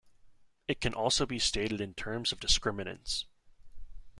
It can also be stated in terms of discriminants.